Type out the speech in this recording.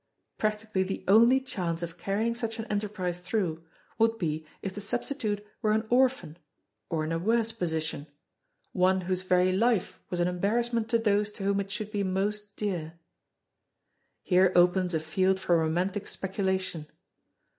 Practically the only chance of carrying such an enterprise through would be if the substitute were an orphan or in a worse position one whose very life was an embarrassment to those to whom it should be most dear. Here opens a field for romantic speculation.